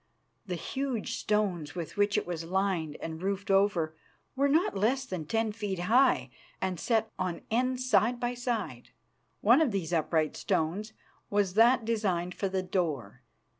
The huge stones with which it was lined and roofed over, were not less than ten feet high and set on end side by side. One of these upright stones was that designed for the door.